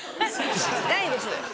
ないです。